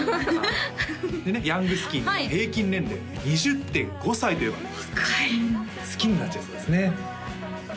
ヤングスキニー平均年齢２０．５歳という若い好きになっちゃいそうですね